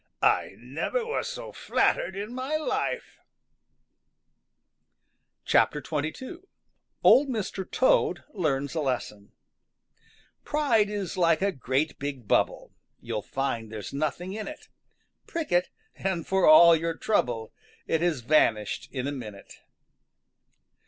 "I never was so flattered in my life." XXII OLD MR. TOAD LEARNS A LESSON Pride is like a great big bubble; You'll find there's nothing in it. Prick it and for all your trouble It has vanished in a minute.